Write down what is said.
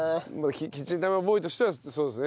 キッチンタイマーボーイとしてはそうですね